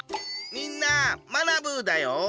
みんなまなブーだよ！